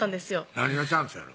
何がチャンスやの？